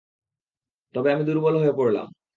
তবে আমি দুর্বল হয়ে পরলাম।